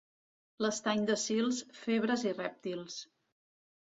L'estany de Sils, febres i rèptils.